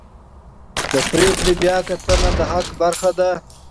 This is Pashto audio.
د پرېکړې بیاکتنه د حق برخه ده.